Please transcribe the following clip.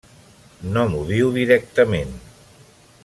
No m’ho diu directament.